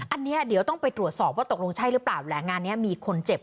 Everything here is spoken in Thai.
อันนี้เดี๋ยวต้องไปตรวจสอบว่าตกลงใช่หรือเปล่าแหละงานนี้มีคนเจ็บ